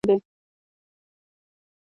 د افغانستان طبیعت له ښتې څخه جوړ شوی دی.